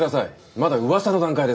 まだうわさの段階ですから。